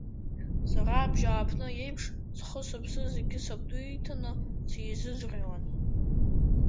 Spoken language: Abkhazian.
Сара абжьааԥны еиԥш, схы-сыԥсы зегьы сабду иҭаны сизыӡырҩуан.